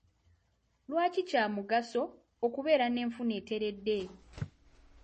Lwaki kya mugaso okubeera n'enfuna eteredde?